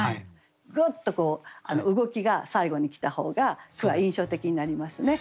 グッと動きが最後に来た方が句は印象的になりますね。